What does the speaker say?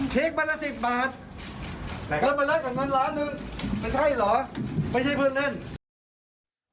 แต่ก็มันละกับเงินล้านหนึ่งไม่ใช่เหรอไม่ใช่เพื่อนเล่น